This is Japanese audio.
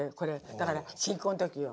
だから新婚の時よ